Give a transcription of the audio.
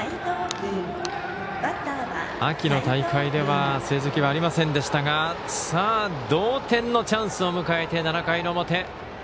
秋の大会では成績はありませんでしたが同点のチャンスを迎えて７回の表。